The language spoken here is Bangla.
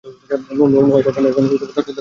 নুহাশ এখনো দরজা ধরে দাঁড়িয়ে আছে।